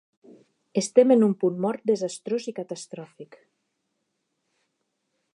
Estem en un punt mort desastrós i catastròfic.